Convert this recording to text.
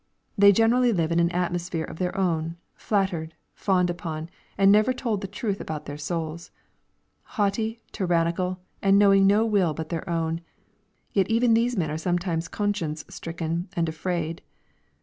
They generally live in an atmosphere of their own, flattered, fawned upon, and never told the truth about their souls, — haughty, tyrannical, and knowing no will but their own. Yet even these men are sometimes conscience stricken and afraid.